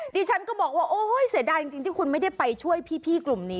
ดิฉันก็บอกว่าโอ๊ยเสียดายจริงที่คุณไม่ได้ไปช่วยพี่กลุ่มนี้